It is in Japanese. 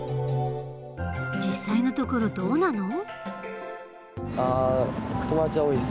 実際のところどうなの？